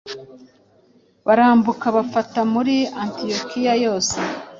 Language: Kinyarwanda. barambuka bafata muri Antiyokiya yose.”